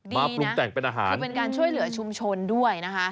ปรุงแต่งเป็นอาหารเป็นการช่วยเหลือชุมชนด้วยนะคะ